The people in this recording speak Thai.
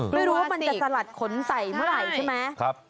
ไม่รู้ว่ามันจะสลัดขนใส่เมื่อไหร่ใช่ไหม